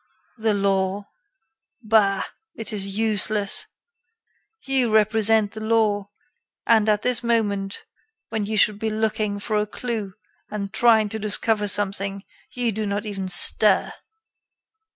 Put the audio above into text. "The law! Bah! it is useless. You represent the law, and, at this moment, when you should be looking for a clue and trying to discover something, you do not even stir."